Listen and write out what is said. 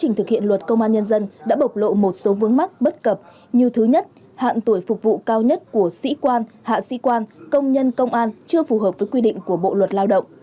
trong thực hiện luật công an nhân dân đã bộc lộ một số vướng mắc bất cập như thứ nhất hạn tuổi phục vụ cao nhất của sĩ quan hạ sĩ quan công nhân công an chưa phù hợp với quy định của bộ luật lao động